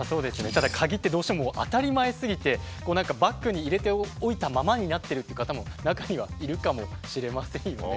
ただ鍵ってどうしても当たり前すぎてバッグに入れておいたままになってるって方も中にはいるかもしれませんよね。